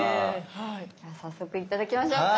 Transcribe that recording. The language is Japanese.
では早速頂きましょうか！